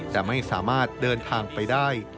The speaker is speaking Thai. แต่ไม่สามารถเดินทางไปได้